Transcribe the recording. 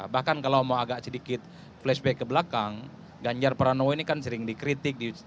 bahkan kalau mau agak sedikit flashback ke belakang ganjar pranowo ini kan sering dikritik